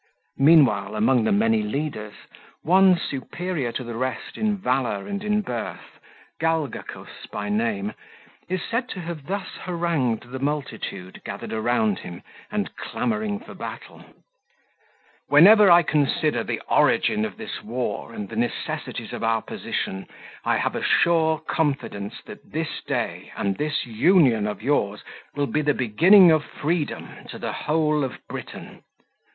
Meanwhile, among the many leaders, one superior to the rest in valour and in birth, Galgacus by name, is said to have thus harangued the multitude gathered around him and clamouring for battle:— 30 "Whenever I consider the origin of this war and the necessities of our position, I have a sure confidence that this day, and this union of yours, will be the beginning of freedom to the whole of Britain.